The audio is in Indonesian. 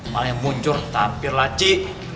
malah muncul sampir laci